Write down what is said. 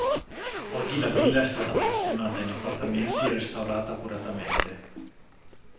Oggi la villa è stata frazionata in appartamenti e restaurata accuratamente.